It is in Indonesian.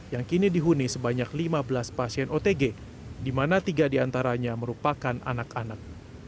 yang kini dihuni sebanyak lima belas pasien otg di mana tiga diantaranya merupakan anak anak